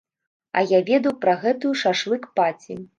А я ведаў пра гэтую шашлык-паці.